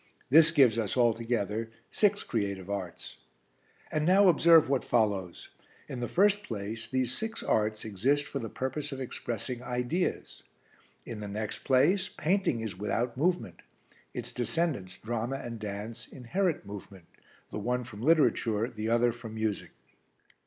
This gives us altogether six creative arts. "And now observe what follows. In the first place, these six arts exist for the purpose of expressing ideas. In the next place, painting is without movement, its descendants, drama and dance, inherit movement, the one from literature, and the other from music.